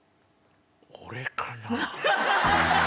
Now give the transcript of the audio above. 俺かなぁ。